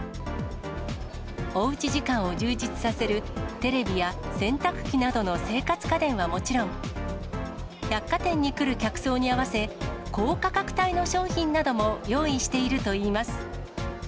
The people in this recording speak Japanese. おうち時間を充実させるテレビや洗濯機などの生活家電はもちろん、百貨店に来る客層に合わせ、高価格帯の商品なども用意しているといいます。